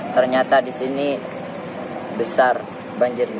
ternyata di sini besar banjirnya